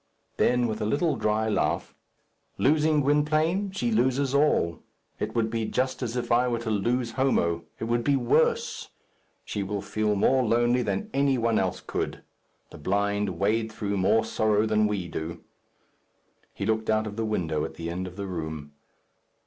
Then, with a little dry laugh, "Losing Gwynplaine, she loses all. It would be just as if I were to lose Homo. It will be worse. She will feel more lonely than any one else could. The blind wade through more sorrow than we do." He looked out of the window at the end of the room.